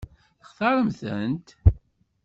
Textaṛem-tent?